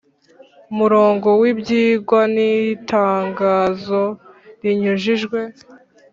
Murongo w ibyigwa n itangazo rinyujijwe